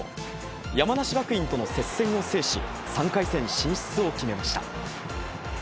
山梨学院との接戦を制し、３回戦進出を決めました。